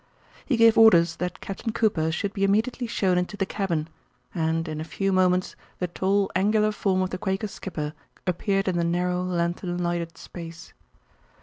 He gave orders that Captain Cooper should be immediately shown into the cabin, and in a few moments the tall, angular form of the Quaker skipper appeared in the narrow, lanthorn lighted space.